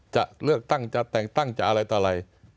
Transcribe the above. จะเลือกตั้งจะแต่งตั้งจะอะไรต่ออะไร